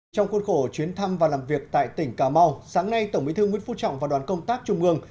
trong khuôn khổ chuyến thăm và làm việc tại tỉnh cà mau sáng nay tổng bí thư nguyễn phú trọng và đoàn công tác trung ương